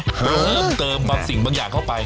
เพิ่มเติมบางสิ่งบางอย่างเข้าไป